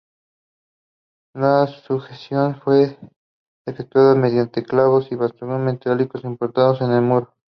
La sujeción se efectúa mediante clavos o vástagos metálicos empotrados en el muro.